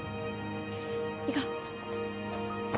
行こう。